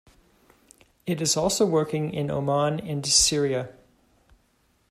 It is also working n Oman and Syria.